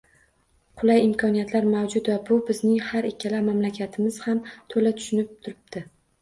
Qulay imkoniyatlar mavjud va buni bizning har ikkala mamlakatimiz ham to‘la tushunib turibdi